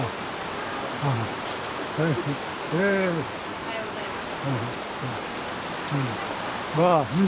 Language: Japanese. おはようございます。